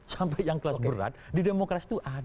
sampai yang kelas berat di demokrasi itu ada